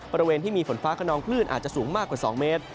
บริเวณที่มีฝนฟ้าขนองคลื่นอาจจะสูงมากกว่า๒เมตร